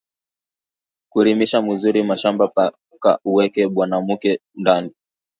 Kurimisha muzuri mashamba paka uweke banamuke ndani